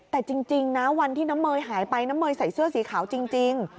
แต่จริงนะวันที่น้ำเมย์หายไปน้ำเมยใส่เสื้อสีขาวจริง